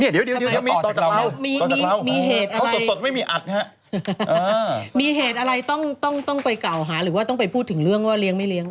เดี๋ยวต่อจากเรามีเหตุอะไรมีเหตุอะไรต้องไปกล่าวหาหรือว่าต้องไปพูดถึงเรื่องว่าเลี้ยงไม่เลี้ยง